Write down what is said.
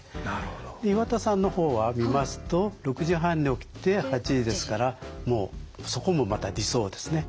で岩田さんの方は見ますと６時半に起きて８時ですからもうそこもまた理想ですね。